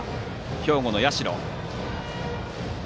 兵庫の社。